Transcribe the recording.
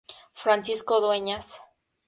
Francisco Dueñas.